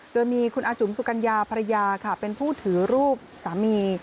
โดยมีคุณอาจุ๋มสุกัญญาภรรยาค่ะเป็นผู้ถือรูปสามี